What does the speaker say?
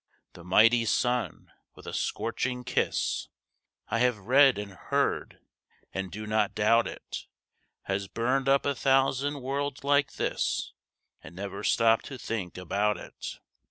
The mighty sun, with a scorching kiss (I have read, and heard, and do not doubt it) Has burned up a thousand worlds like this, And never stopped to think about it.